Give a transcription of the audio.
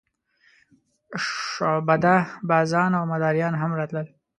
شعبده بازان او مداریان هم راتلل.